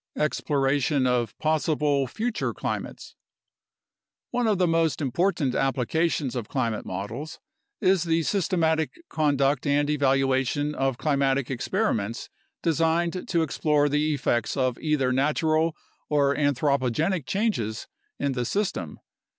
Exploration of Possible Future Climates One of the most important applications of climate models is the sys tematic conduct and evaluation of climatic experiments designed to explore the effects of either natural or anthropogenic changes in the system.